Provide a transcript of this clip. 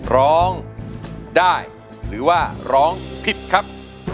ร้องได้หรือว่าร้องผิดครับ